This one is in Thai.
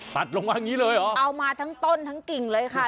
ลงมาอย่างนี้เลยเหรอเอามาทั้งต้นทั้งกิ่งเลยค่ะ